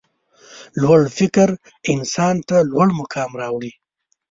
لوړ فکر انسان ته لوړ مقام راوړي.